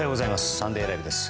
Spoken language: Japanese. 「サンデーＬＩＶＥ！！」です。